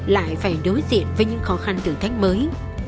lại phải đối diện với những khó khăn thử thách mới